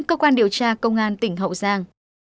cơ quan điều tra công an tỉnh hậu giang